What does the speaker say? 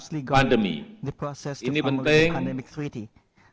ini penting untuk memperkuat kesiapsiagaan di tingkat nasional kawasan dan negara